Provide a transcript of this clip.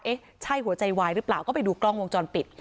เอ๊ะใช่หัวใจวายหรือเปล่าก็ไปดูกล้องวงจรปิด